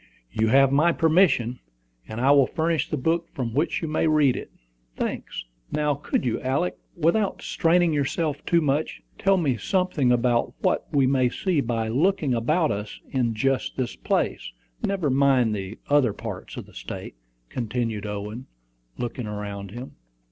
"You have my permission; and I will furnish the book from which you may read it." "Thanks. Now, could you, Alick, without straining yourself too much, tell me something about what we may see by looking about us in just this place never mind the other parts of the State," continued Owen, looking around him.